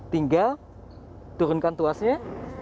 tinggal turunkan tuasnya